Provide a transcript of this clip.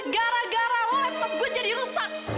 gara gara laptop gue jadi rusak